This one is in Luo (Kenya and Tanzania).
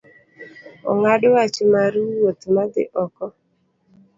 Ong’ad wach mar wuoth madhi oko